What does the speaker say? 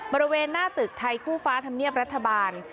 บริเวณหน้าตึกไทยคู่ฟ้าธรรมเนียบรัฐบาล